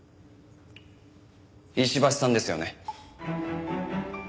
石橋さんですよね？